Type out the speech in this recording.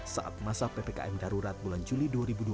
saat masa ppkm darurat bulan juli dua ribu dua puluh